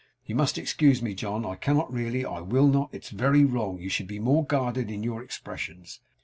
'You must excuse me, John. I cannot, really; I will not. It's very wrong; you should be more guarded in your expressions.